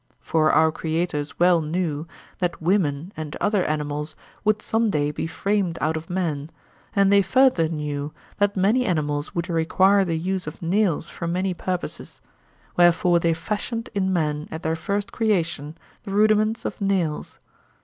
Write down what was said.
For our creators well knew that women and other animals would some day be framed out of men, and they further knew that many animals would require the use of nails for many purposes; wherefore they fashioned in men at their first creation the rudiments of nails.